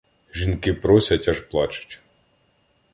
Жінки просять, аж плачуть.